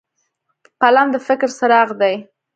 قلم د فکر څراغ دی